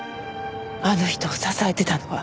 あの人を支えてたのは。